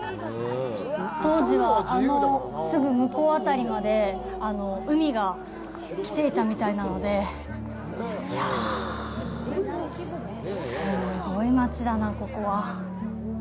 当時は、あのすぐ向こう辺りまで海が来ていたみたいなので、いやぁ、すごい街だな、ここは。